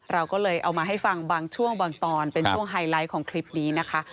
เราก็เลยเอามาให้ฟังบางช่วงบางตอนเป็นช่วงไฮไลท์ของคลิปนี้นะคะ